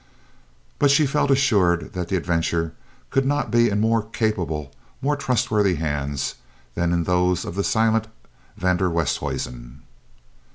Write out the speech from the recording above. But she felt assured that the adventure could not be in more capable, more trustworthy hands than in those of the silent van der Westhuizen.